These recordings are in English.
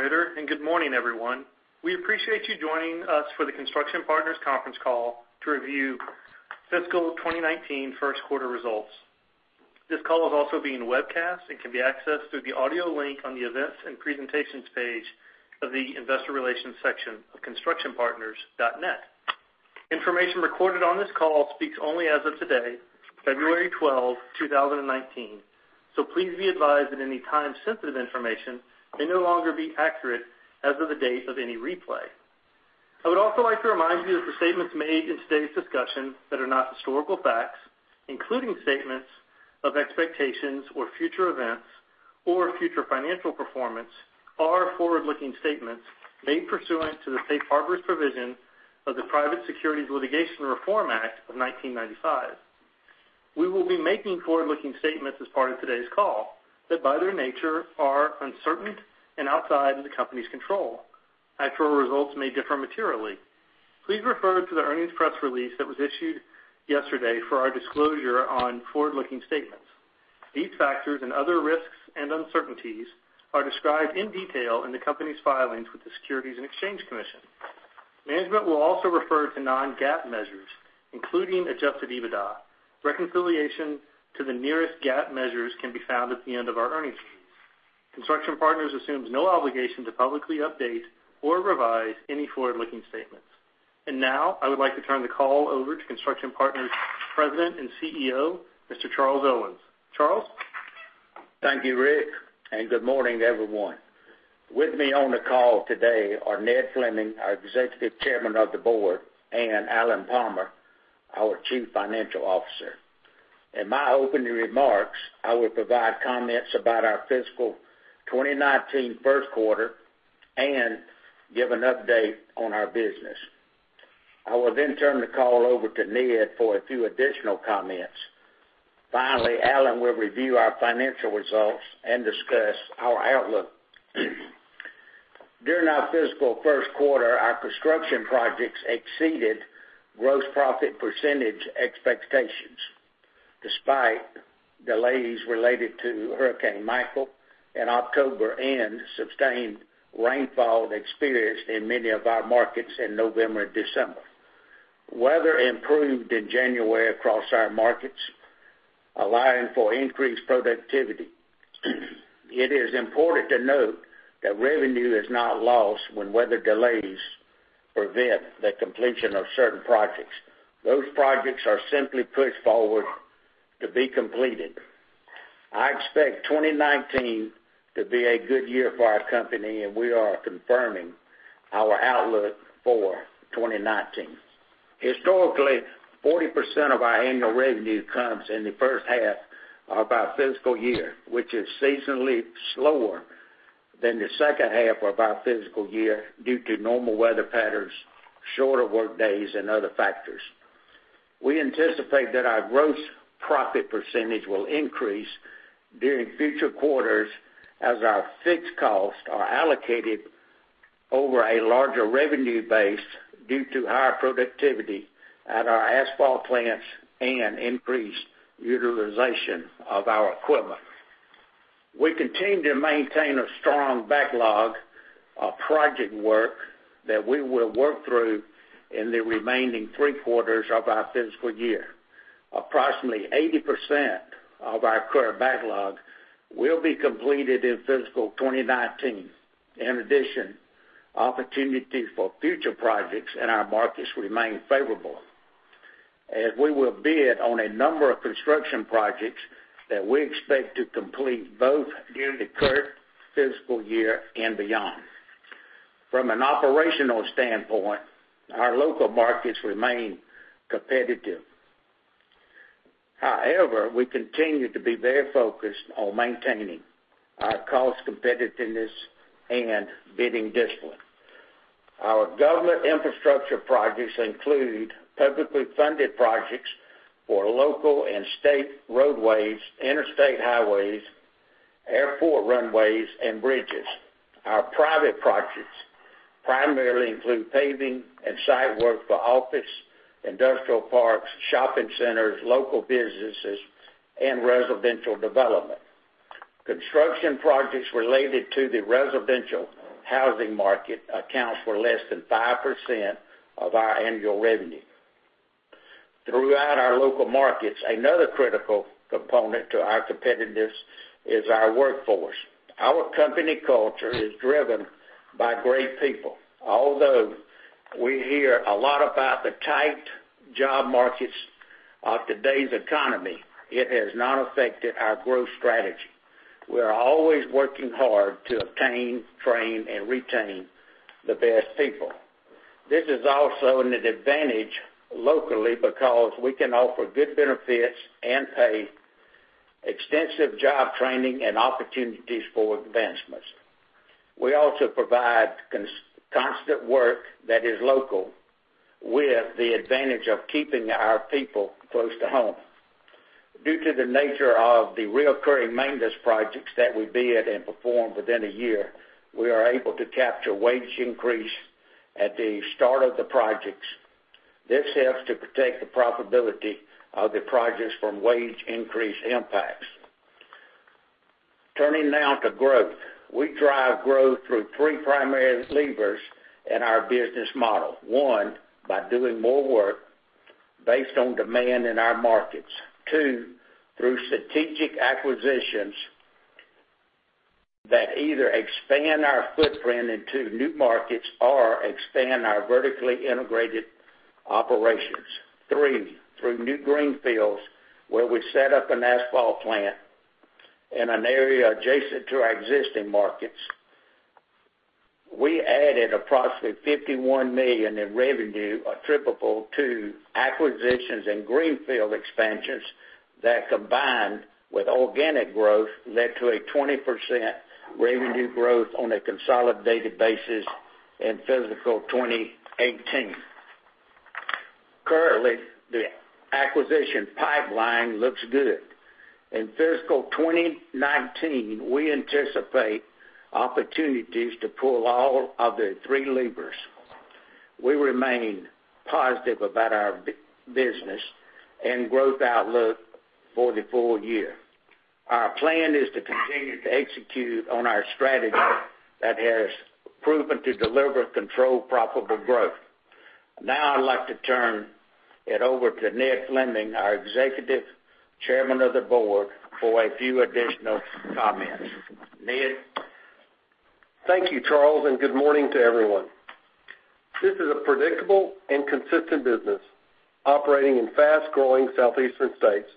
Good morning, everyone. We appreciate you joining us for the Construction Partners conference call to review fiscal 2019 first quarter results. This call is also being webcast and can be accessed through the audio link on the Events and Presentations page of the Investor Relations section of www.constructionpartners.net. Information recorded on this call speaks only as of today, February 12th, 2019. Please be advised that any time-sensitive information may no longer be accurate as of the date of any replay. I would also like to remind you that the statements made in today's discussion that are not historical facts, including statements of expectations or future events or future financial performance, are forward-looking statements made pursuant to the safe harbor's provision of the Private Securities Litigation Reform Act of 1995. We will be making forward-looking statements as part of today's call that, by their nature, are uncertain and outside of the company's control. Actual results may differ materially. Please refer to the earnings press release that was issued yesterday for our disclosure on forward-looking statements. These factors and other risks and uncertainties are described in detail in the company's filings with the Securities and Exchange Commission. Management will also refer to Non-GAAP measures, including adjusted EBITDA. Reconciliation to the nearest GAAP measures can be found at the end of our earnings release. Construction Partners assumes no obligation to publicly update or revise any forward-looking statements. Now, I would like to turn the call over to Construction Partners President and Chief Executive Officer, Mr. Charles Owens. Charles? Thank you, Rick, and good morning to everyone. With me on the call today are Ned Fleming, our Executive Chairman of the Board, and Alan Palmer, our Chief Financial Officer. In my opening remarks, I will provide comments about our fiscal 2019 first quarter and give an update on our business. I will then turn the call over to Ned for a few additional comments. Finally, Alan will review our financial results and discuss our outlook. During our fiscal first quarter, our construction projects exceeded gross profit percentage expectations, despite delays related to Hurricane Michael in October and sustained rainfall experienced in many of our markets in November and December. Weather improved in January across our markets, allowing for increased productivity. It is important to note that revenue is not lost when weather delays prevent the completion of certain projects. Those projects are simply pushed forward to be completed. I expect 2019 to be a good year for our company. We are confirming our outlook for 2019. Historically, 40% of our annual revenue comes in the first half of our fiscal year, which is seasonally slower than the second half of our fiscal year due to normal weather patterns, shorter workdays, and other factors. We anticipate that our gross profit percentage will increase during future quarters as our fixed costs are allocated over a larger revenue base due to higher productivity at our asphalt plants and increased utilization of our equipment. We continue to maintain a strong backlog of project work that we will work through in the remaining three quarters of our fiscal year. Approximately 80% of our current backlog will be completed in fiscal 2019. In addition, opportunities for future projects in our markets remain favorable, as we will bid on a number of construction projects that we expect to complete both during the current fiscal year and beyond. From an operational standpoint, our local markets remain competitive. However, we continue to be very focused on maintaining our cost competitiveness and bidding discipline. Our government infrastructure projects include publicly funded projects for local and state roadways, interstate highways, airport runways, and bridges. Our private projects primarily include paving and site work for office, industrial parks, shopping centers, local businesses, and residential development. Construction projects related to the residential housing market account for less than 5% of our annual revenue. Throughout our local markets, another critical component to our competitiveness is our workforce. Our company culture is driven by great people. Although we hear a lot about the tight job markets of today's economy, it has not affected our growth strategy. We are always working hard to obtain, train, and retain the best people. This is also an advantage locally because we can offer good benefits and pay, extensive job training, and opportunities for advancements. We also provide constant work that is local, with the advantage of keeping our people close to home. Due to the nature of the recurring maintenance projects that we bid and perform within a year, we are able to capture wage increase at the start of the projects. This helps to protect the profitability of the projects from wage increase impacts. Turning now to growth. We drive growth through three primary levers in our business model. One, by doing more work based on demand in our markets. Two, through strategic acquisitions that either expand our footprint into new markets or expand our vertically integrated operations. Three, through new greenfields, where we set up an asphalt plant in an area adjacent to our existing markets. We added approximately $51 million in revenue attributable to acquisitions and greenfield expansions that combined with organic growth led to a 20% revenue growth on a consolidated basis in fiscal 2018. Currently, the acquisition pipeline looks good. In fiscal 2019, we anticipate opportunities to pull all of the three levers. We remain positive about our business and growth outlook for the full year. Our plan is to continue to execute on our strategy that has proven to deliver controlled profitable growth. Now I'd like to turn it over to Ned Fleming, our Executive Chairman of the Board, for a few additional comments. Ned? Thank you, Charles, and good morning to everyone. This is a predictable and consistent business operating in fast-growing Southeastern states,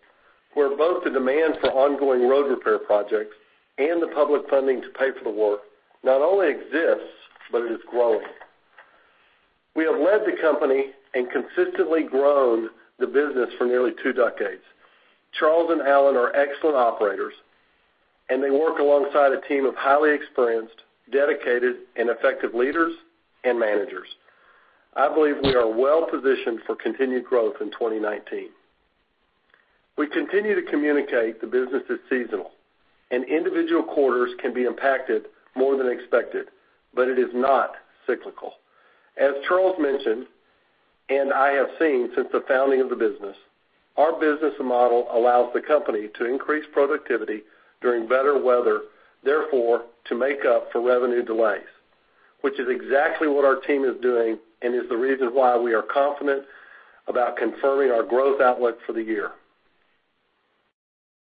where both the demand for ongoing road repair projects and the public funding to pay for the work not only exists, but it is growing. We have led the company and consistently grown the business for nearly two decades. Charles and Alan are excellent operators, and they work alongside a team of highly experienced, dedicated, and effective leaders and managers. I believe we are well-positioned for continued growth in 2019. We continue to communicate the business is seasonal, and individual quarters can be impacted more than expected, but it is not cyclical. As Charles mentioned, and I have seen since the founding of the business, our business model allows the company to increase productivity during better weather, therefore, to make up for revenue delays. Which is exactly what our team is doing and is the reason why we are confident about confirming our growth outlook for the year.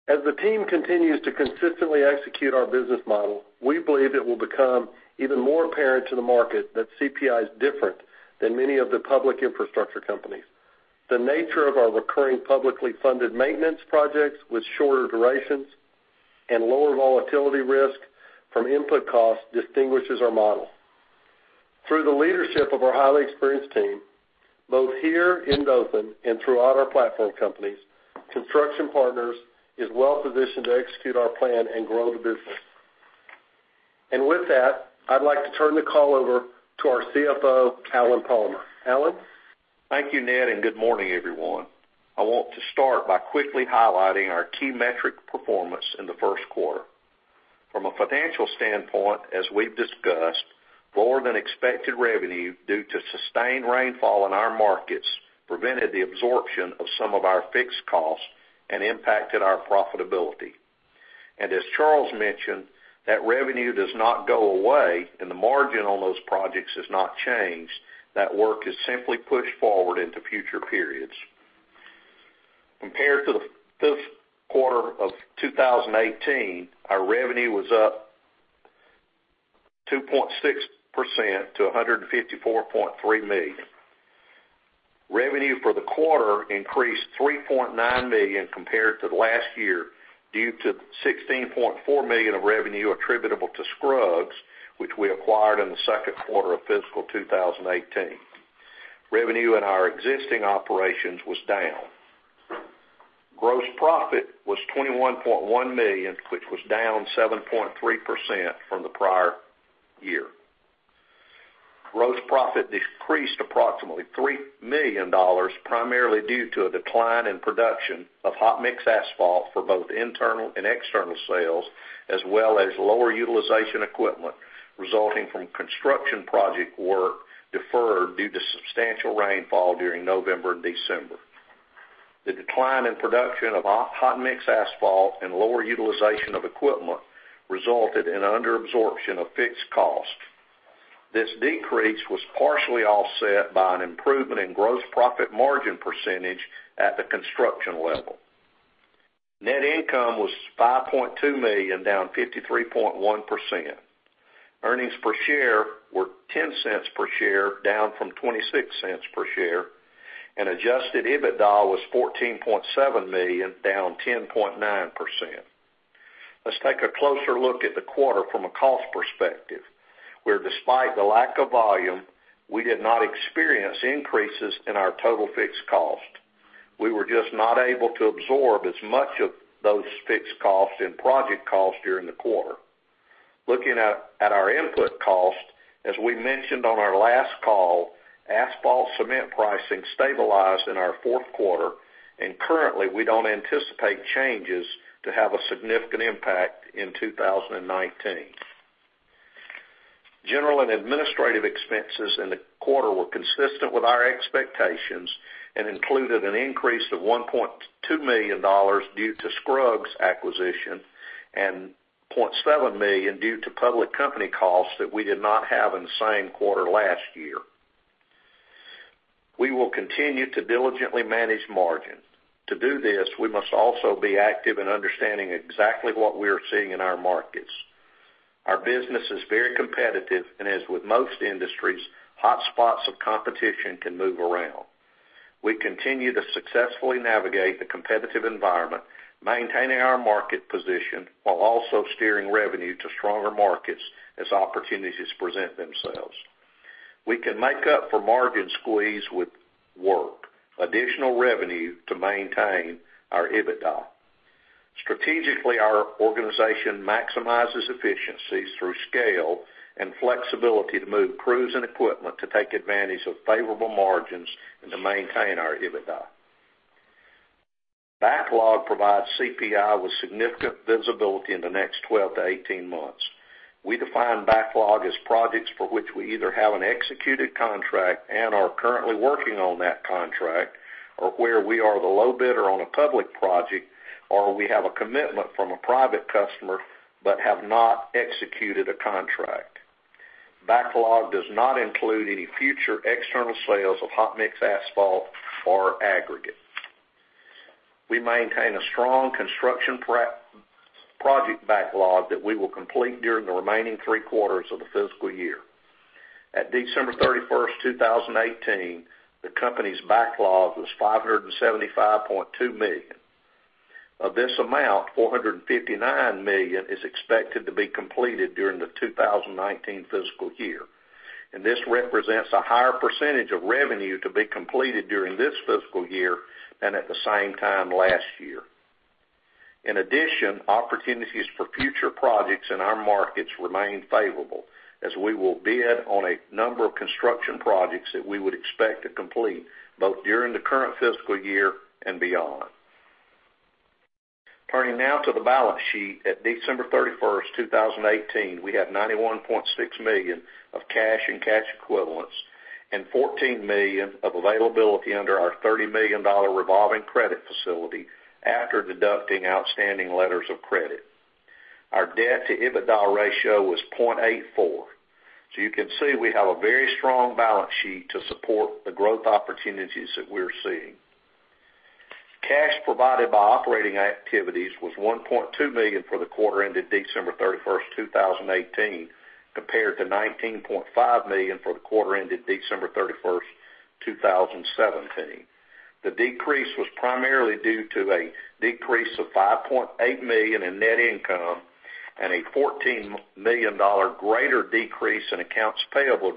As the team continues to consistently execute our business model, we believe it will become even more apparent to the market that CPI is different than many of the public infrastructure companies. The nature of our recurring publicly funded maintenance projects with shorter durations and lower volatility risk from input costs distinguishes our model. Through the leadership of our highly experienced team, both here in Dothan and throughout our platform companies, Construction Partners is well-positioned to execute our plan and grow the business. With that, I'd like to turn the call over to our Chief Financial Officer, Alan Palmer. Alan? Thank you, Ned. Good morning, everyone. I want to start by quickly highlighting our key metric performance in the first quarter. From a financial standpoint, as we've discussed, lower than expected revenue due to sustained rainfall in our markets prevented the absorption of some of our fixed costs and impacted our profitability. As Charles mentioned, that revenue does not go away and the margin on those projects has not changed. That work is simply pushed forward into future periods. Compared to the first quarter of 2018, our revenue was up 2.6% to $154.3 million. Revenue for the quarter increased $3.9 million compared to last year due to $16.4 million of revenue attributable to Scruggs, which we acquired in the second quarter of fiscal 2018. Revenue in our existing operations was down. Gross profit was $21.1 million, which was down 7.3% from the prior year. Gross profit decreased approximately $3 million primarily due to a decline in production of hot mix asphalt for both internal and external sales, as well as lower utilization equipment resulting from construction project work deferred due to substantial rainfall during November and December. The decline in production of hot mix asphalt and lower utilization of equipment resulted in under absorption of fixed costs. This decrease was partially offset by an improvement in gross profit margin percentage at the construction level. Net income was $5.2 million, down 53.1%. Earnings per share were $0.10 per share, down from $0.26 per share. Adjusted EBITDA was $14.7 million, down 10.9%. Let's take a closer look at the quarter from a cost perspective, where despite the lack of volume, we did not experience increases in our total fixed cost. We were just not able to absorb as much of those fixed costs and project costs during the quarter. Looking at our input cost, as we mentioned on our last call, asphalt cement pricing stabilized in our fourth quarter. Currently, we don't anticipate changes to have a significant impact in 2019. General and administrative expenses in the quarter were consistent with our expectations and included an increase of $1.2 million due to Scruggs acquisition and $0.7 million due to public company costs that we did not have in the same quarter last year. We will continue to diligently manage margin. To do this, we must also be active in understanding exactly what we are seeing in our markets. Our business is very competitive, and as with most industries, hotspots of competition can move around. We continue to successfully navigate the competitive environment, maintaining our market position while also steering revenue to stronger markets as opportunities present themselves. We can make up for margin squeeze with work, additional revenue to maintain our EBITDA. Strategically, our organization maximizes efficiencies through scale and flexibility to move crews and equipment to take advantage of favorable margins and to maintain our EBITDA. Backlog provides CPI with significant visibility in the next 12 months-18 months. We define backlog as projects for which we either have an executed contract and are currently working on that contract, or where we are the low bidder on a public project, or we have a commitment from a private customer but have not executed a contract. Backlog does not include any future external sales of hot mix asphalt or aggregate. We maintain a strong construction project backlog that we will complete during the remaining three quarters of the fiscal year. At December 31st, 2018, the company's backlog was $575.2 million. Of this amount, $459 million is expected to be completed during the 2019 fiscal year. This represents a higher percentage of revenue to be completed during this fiscal year than at the same time last year. In addition, opportunities for future projects in our markets remain favorable as we will bid on a number of construction projects that we would expect to complete, both during the current fiscal year and beyond. Turning now to the balance sheet. At December 31st, 2018, we had $91.6 million of cash and cash equivalents and $14 million of availability under our $30 million revolving credit facility after deducting outstanding letters of credit. Our debt to EBITDA ratio was 0.84x. You can see we have a very strong balance sheet to support the growth opportunities that we're seeing. Cash provided by operating activities was $1.2 million for the quarter ended December 31st, 2018, compared to $19.5 million for the quarter ended December 31st, 2017. The decrease was primarily due to a decrease of $5.8 million in net income and a $14 million greater decrease in accounts payable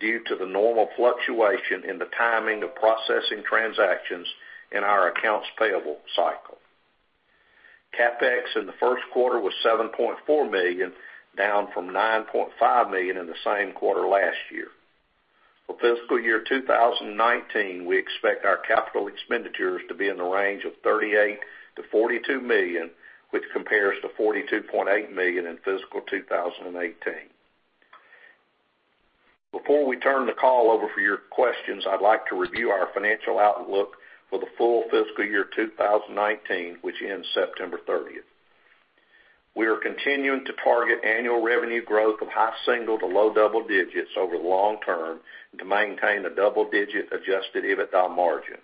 due to the normal fluctuation in the timing of processing transactions in our accounts payable cycle. CapEx in the first quarter was $7.4 million, down from $9.5 million in the same quarter last year. For fiscal year 2019, we expect our capital expenditures to be in the range of $38 million-$42 million, which compares to $42.8 million in fiscal 2018. Before we turn the call over for your questions, I'd like to review our financial outlook for the full fiscal year 2019, which ends September 30th. We are continuing to target annual revenue growth of high single to low double digits over the long term and to maintain a double-digit adjusted EBITDA margin.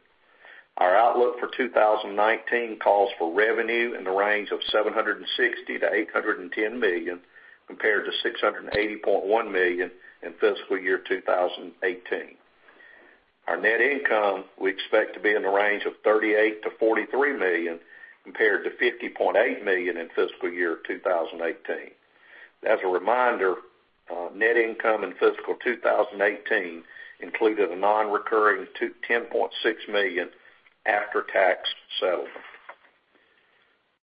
Our outlook for 2019 calls for revenue in the range of $760 million-$810 million, compared to $680.1 million in fiscal year 2018. Our net income, we expect to be in the range of $38 million-$43 million, compared to $50.8 million in fiscal year 2018. As a reminder, net income in fiscal 2018 included a non-recurring $10.6 million after-tax sale.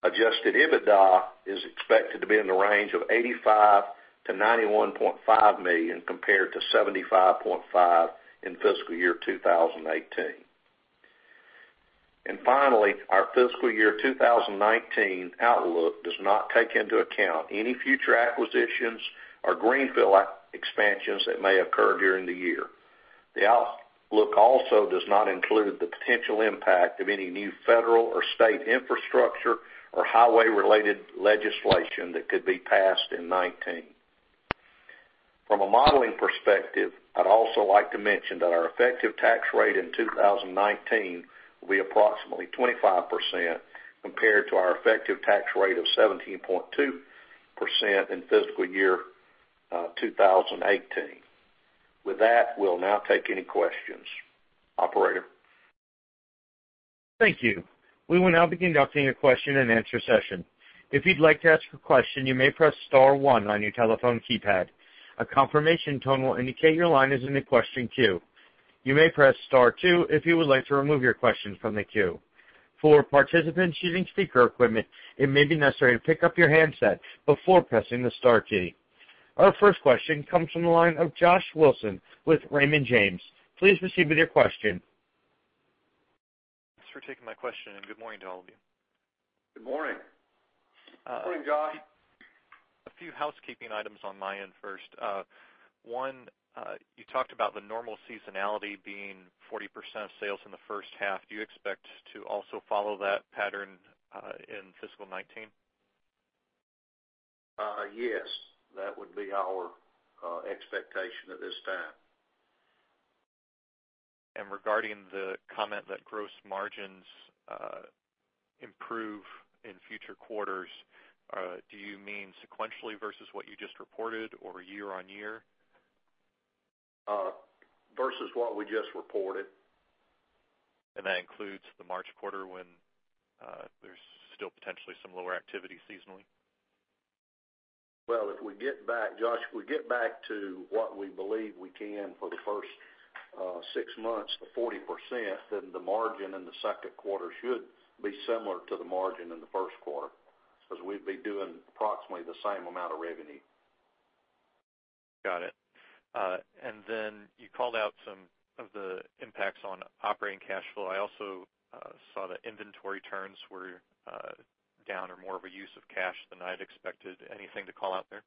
Adjusted EBITDA is expected to be in the range of $85 million-$91.5 million compared to $75.5 in fiscal year 2018. Finally, our fiscal year 2019 outlook does not take into account any future acquisitions or greenfield expansions that may occur during the year. The outlook also does not include the potential impact of any new federal or state infrastructure or highway-related legislation that could be passed in 2019. From a modeling perspective, I'd also like to mention that our effective tax rate in 2019 will be approximately 25%, compared to our effective tax rate of 17.2% in fiscal year 2018. With that, we'll now take any questions. Operator? Thank you. We will now be conducting a question-and-answer session. If you'd like to ask a question, you may press star one on your telephone keypad. A confirmation tone will indicate your line is in the question queue. You may press star two if you would like to remove your question from the queue. For participants using speaker equipment, it may be necessary to pick up your handset before pressing the star key. Our first question comes from the line of Josh Wilson with Raymond James. Please proceed with your question. Thanks for taking my question, good morning to all of you. Good morning. Good morning, Josh. A few housekeeping items on my end first. One, you talked about the normal seasonality being 40% of sales in the first half. Do you expect to also follow that pattern in fiscal 2019? Yes. That would be our expectation at this time. Regarding the comment that gross margins improve in future quarters, do you mean sequentially versus what you just reported or year-on-year? Versus what we just reported. That includes the March quarter when there's still potentially some lower activity seasonally? Well, if we get back, Josh, if we get back to what we believe we can for the first six months to 40%, then the margin in the second quarter should be similar to the margin in the first quarter, because we'd be doing approximately the same amount of revenue. Got it. You called out some of the impacts on operating cash flow. I also saw the inventory turns were down or more of a use of cash than I'd expected. Anything to call out there?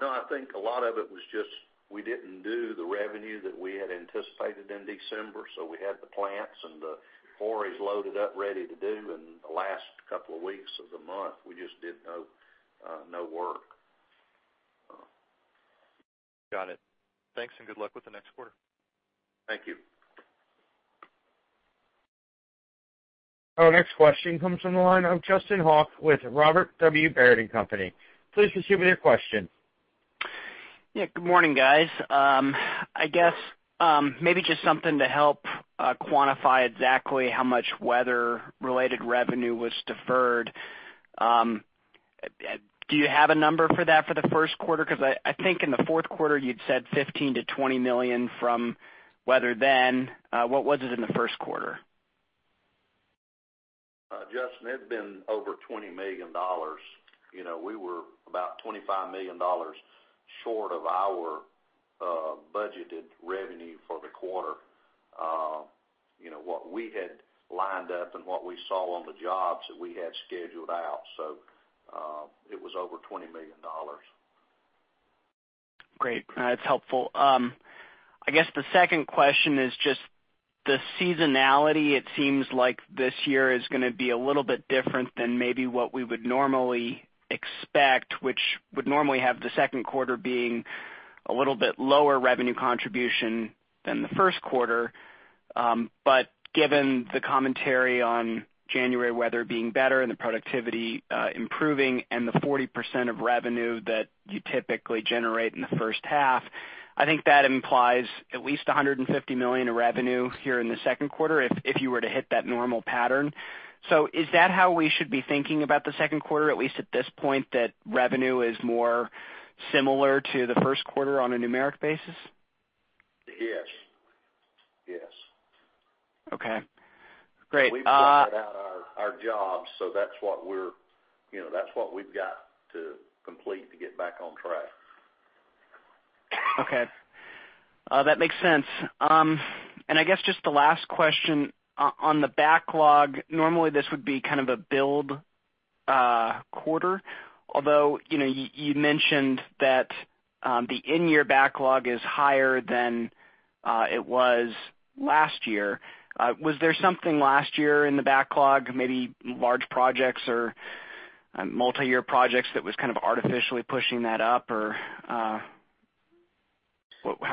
No, I think a lot of it was just, we didn't do the revenue that we had anticipated in December, so we had the plants and the quarries loaded up, ready to do, and the last couple of weeks of the month, we just did no work. Got it. Thanks, and good luck with the next quarter. Thank you. Our next question comes from the line of Justin Hauke with Robert W. Baird & Co. Please proceed with your question. Yeah, good morning, guys. I guess, maybe just something to help quantify exactly how much weather related revenue was deferred. Do you have a number for that for the first quarter? I think in the fourth quarter you'd said $15 million-$20 million from weather then. What was it in the first quarter? Justin, it'd been over $20 million. We were about $25 million short of our budgeted revenue for the quarter. What we had lined up and what we saw on the jobs that we had scheduled out. It was over $20 million. Great. That's helpful. I guess the second question is just the seasonality, it seems like this year is going to be a little bit different than maybe what we would normally expect. Which would normally have the second quarter being a little bit lower revenue contribution than the first quarter. Given the commentary on January weather being better and the productivity improving and the 40% of revenue that you typically generate in the first half. I think that implies at least $150 million of revenue here in the second quarter if you were to hit that normal pattern. Is that how we should be thinking about the second quarter, at least at this point, that revenue is more similar to the first quarter on a numeric basis? Yes. Okay, great. We've got our jobs. That's what we've got to complete to get back on track. Okay. That makes sense. I guess just the last question on the backlog. Normally this would be kind of a build quarter, although you mentioned that the in-year backlog is higher than it was last year. Was there something last year in the backlog, maybe large projects or multi-year projects that was kind of artificially pushing that up? How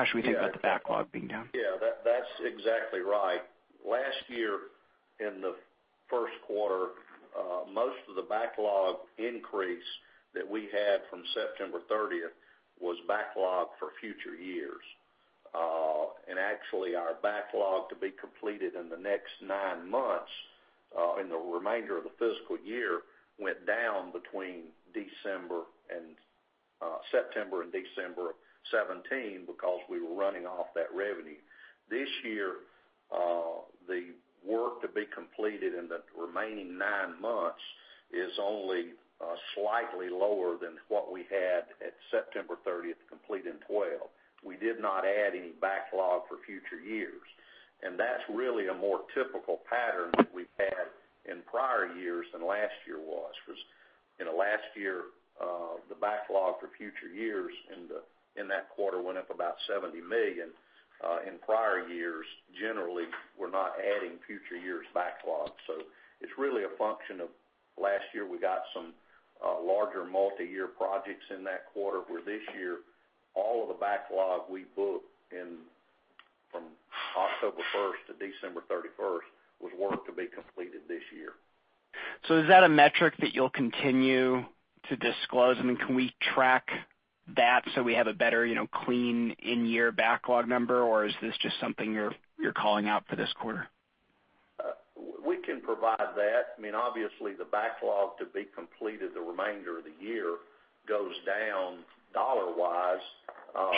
should we think about the backlog being down? Yeah, that's exactly right. Last year in the first quarter, most of the backlog increase that we had from September 30th was backlog for future years. Actually, our backlog to be completed in the next nine months, in the remainder of the fiscal year, went down between September and December of 2017 because we were running off that revenue. This year, the work to be completed in the remaining nine months is only slightly lower than what we had at September 30th complete in 12 months. We did not add any backlog for future years. That's really a more typical pattern that we've had in prior years than last year was. In the last year, the backlog for future years in that quarter went up about $70 million. In prior years, generally, we're not adding future years backlog. It's really a function of last year we got some larger multi-year projects in that quarter where this year all of the backlog we booked in from October 1st to December 31st was work to be completed this year. Is that a metric that you'll continue to disclose? Can we track that so we have a better clean in-year backlog number? Or is this just something you're calling out for this quarter? We can provide that. Obviously the backlog to be completed the remainder of the year goes down dollar-wise.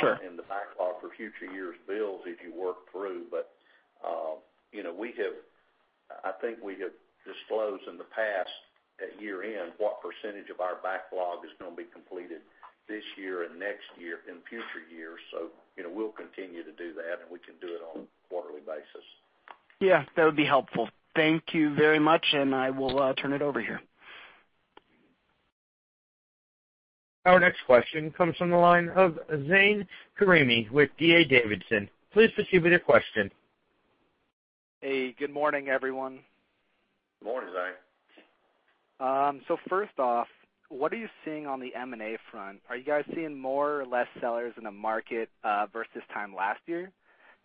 Sure The backlog for future years builds as you work through. We have disclosed in the past at year-end what % of our backlog is going to be completed this year and next year, in future years. We'll continue to do that, and we can do it on a quarterly basis. Yeah, that would be helpful. Thank you very much. I will turn it over here. Our next question comes from the line of Zane Karimi with D.A. Davidson & Co. Please proceed with your question. Hey, good morning, everyone. Good morning, Zane. First off, what are you seeing on the M&A front? Are you guys seeing more or less sellers in the market versus time last year?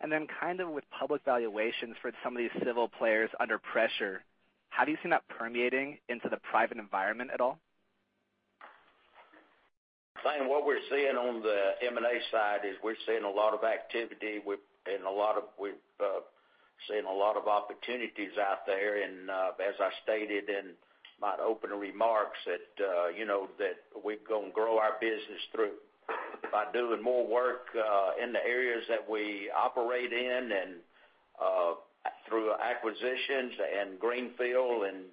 Then kind of with public valuations for some of these civil players under pressure, have you seen that permeating into the private environment at all? Zane, what we're seeing on the M&A side is we're seeing a lot of activity. We've seen a lot of opportunities out there and as I stated in my opening remarks that we're going to grow our business through by doing more work in the areas that we operate in and through acquisitions and greenfield, and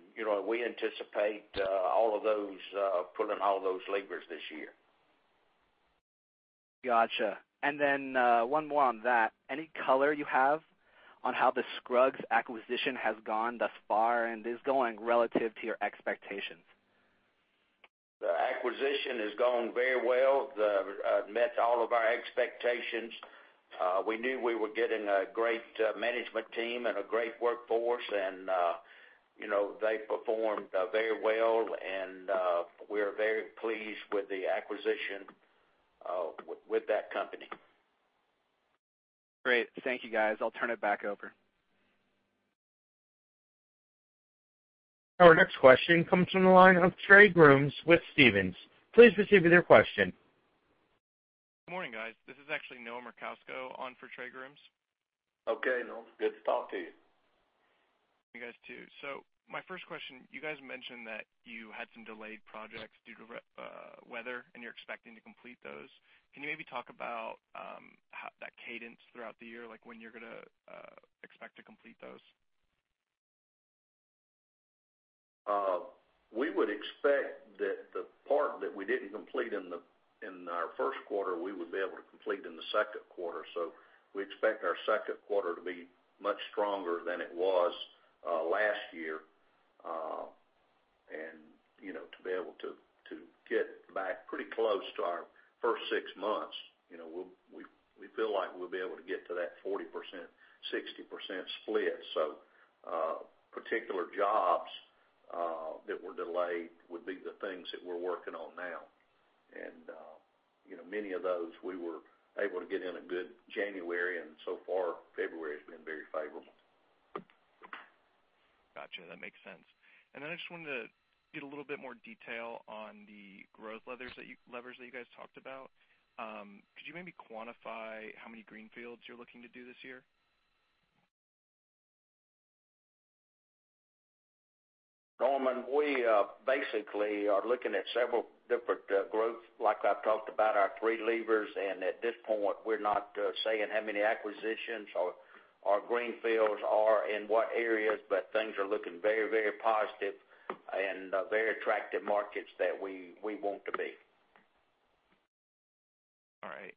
we anticipate pulling all of those levers this year. Got you. Then one more on that. Any color you have on how the Scruggs acquisition has gone thus far and is going relative to your expectations? The acquisition has gone very well. It met all of our expectations. We knew we were getting a great management team and a great workforce. They performed very well, we're very pleased with the acquisition with that company. Great. Thank you, guys. I'll turn it back over. Our next question comes from the line of Trey Grooms with Stephens. Please proceed with your question. Good morning, guys. This is actually Noah Merkousko on for Trey Grooms. Okay, Noah. Good to talk to you. You guys, too. My first question, you guys mentioned that you had some delayed projects due to weather, and you're expecting to complete those. Can you maybe talk about that cadence throughout the year, like when you're going to expect to complete those? We would expect that the part that we didn't complete in our first quarter, we would be able to complete in the second quarter. We expect our second quarter to be much stronger than it was last year. To be able to get back pretty close to our first six months. We feel like we'll be able to get to that 40%, 60% split. Particular jobs that were delayed would be the things that we're working on now. Many of those we were able to get in a good January, and so far February has been very favorable. Got you. That makes sense. I just wanted to get a little bit more detail on the growth levers that you guys talked about. Could you maybe quantify how many greenfields you're looking to do this year? Norman, we basically are looking at several different growth, like I've talked about, our three levers, at this point, we're not saying how many acquisitions or greenfields or in what areas, things are looking very positive and very attractive markets that we want to be. All right.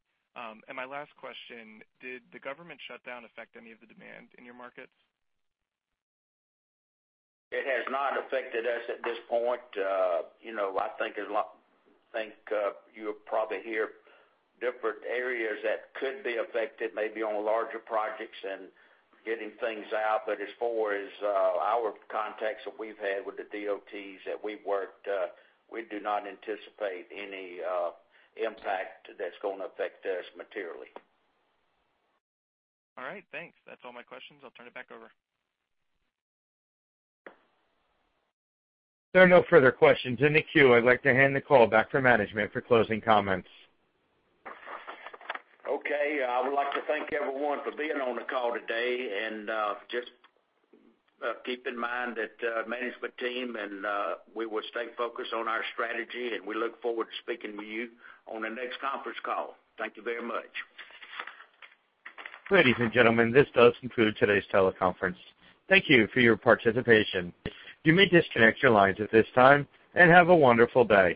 My last question, did the government shutdown affect any of the demand in your markets? It has not affected us at this point. I think you'll probably hear different areas that could be affected, maybe on larger projects and getting things out. As far as our contacts that we've had with the DOTs that we've worked, we do not anticipate any impact that's going to affect us materially. All right, thanks. That's all my questions. I'll turn it back over. There are no further questions in the queue. I'd like to hand the call back to management for closing comments. Okay. I would like to thank everyone for being on the call today. Just keep in mind that management team and we will stay focused on our strategy. We look forward to speaking with you on the next conference call. Thank you very much. Ladies and gentlemen, this does conclude today's teleconference. Thank you for your participation. You may disconnect your lines at this time. Have a wonderful day.